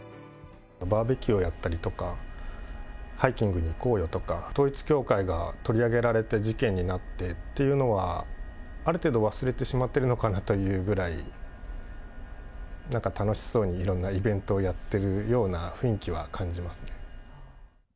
バーベキューをやったりとか、ハイキングに行こうよとか、統一教会が取り上げられて、事件になってっていうのは、ある程度、忘れてしまってるのかなというぐらい、なんか楽しそうにいろんなイベントをやっているような雰囲気は感じますね。